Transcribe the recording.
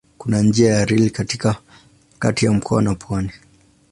Kuna njia ya reli kati ya mkoa na pwani.